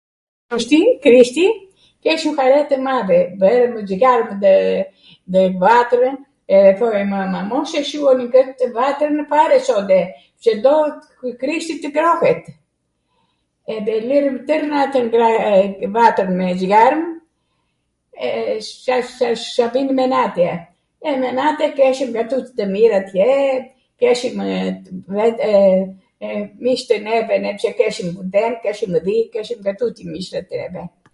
.... Krishti, keshwm hare tw madhe, bwjwm zjarm ndw vatrw e thoj mwma mos e shuani vatrwn fare sonde se do Krishti tw ngrohet edhe e lwrwm twrw natwn vatrwn me zjarm, e sa, sa vin menatja, e menate keshwm nga tuti te mirat atje, keshwmw mishtw nevet , pse neve keshwmw dhen, keshwmw dhi, keshwm nga tuti misht atere.